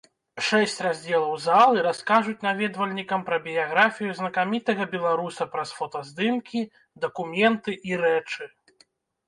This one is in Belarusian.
Шэсць раздзелаў залы раскажуць наведвальнікам пра біяграфію знакамітага беларуса праз фотаздымкі, дакументы і рэчы.